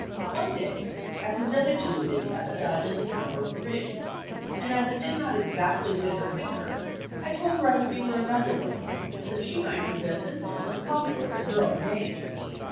One day I presented to Lavinia a diamond and emerald ring, and as it did not exactly fit her finger, I told her I would give her another one and that she might present this one to the Commodore in her own name.